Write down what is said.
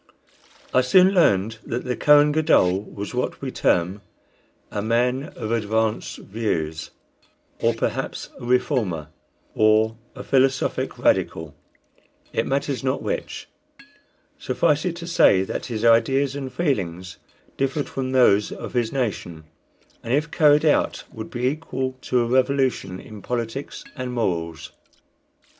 I soon learned that the Kohen Gadol was what we term "a man of advanced views," or perhaps a "Reformer," or a "Philosophic Radical," it matters not which; suffice it to say that his ideas and feelings differed from those of his nation, and if carried out would be equal to a revolution in politics and morals.